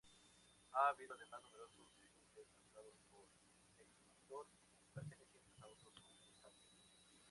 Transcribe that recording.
Ha habido además numerosos singles lanzados por X Factor, pertenecientes a otros concursantes.